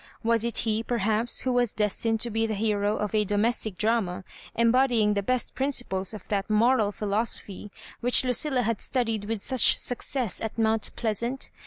Was it he, perhaps, who was destined to be the hero of a domestic drama embodying the best principles of that Moral Philosophy which Lucilla had studied 1 With such success at Mount Pleasant?